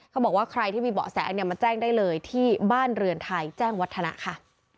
เขาบอกว่าใครที่มีเบาะแสเนี่ยมาแจ้งได้เลยที่บ้านเรือนไทยแจ้งวัฒนะค่ะ